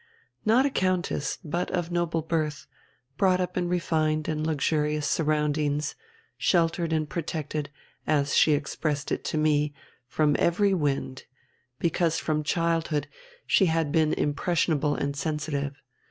"Not a countess, but of noble birth, brought up in refined and luxurious surroundings, sheltered and protected, as she expressed it to me, from every wind, because from childhood she had been impressionable and sensitive.